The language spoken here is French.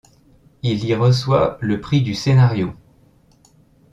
Il y reçoit le prix du scénario.